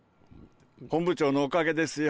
本部長のおかげですよ。